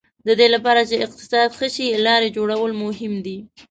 د دې لپاره چې اقتصاد ښه شي لارې جوړول مهم دي.